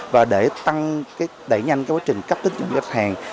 và để tăng đẩy nhanh quá trình cấp tính dụng khách hàng